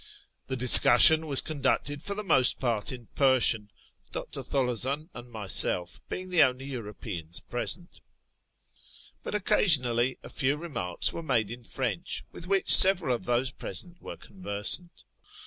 The discussion was conducted ibr the most part in Persian, ])r. Tholozan and myself being the only Europeans jn csent ; hut occasionally a few remarks were made in Inench, with which several of those present were conversant.